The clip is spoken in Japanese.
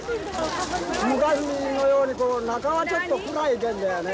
昔のように中がちょっと暗いけんどやね。